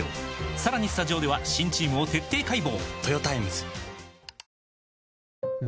さらにスタジオでは新チームを徹底解剖！